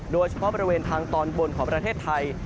โดยเฉพาะบริเวณทางตอนบนของประเทศไทย